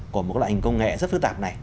của mỗi loại hình công nghệ rất phức tạp này